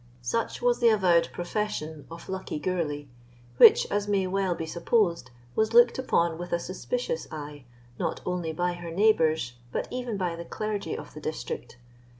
Such was the avowed profession of Luckie Gourlay, which, as may well be supposed, was looked upon with a suspicious eye, not only by her neighbours, but even by the clergy of the district.